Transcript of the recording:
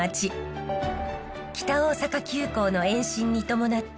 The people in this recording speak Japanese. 北大阪急行の延伸に伴って